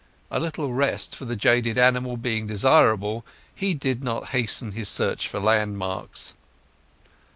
A little rest for the jaded animal being desirable, he did not hasten his search for landmarks.